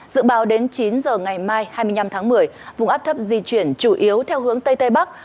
dự báo đến chín giờ ngày mai hai mươi năm tháng một mươi vùng áp thấp di chuyển chủ yếu theo hướng tây tây bắc